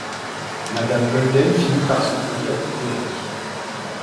Mme Golden finit par se brouiller avec Terry.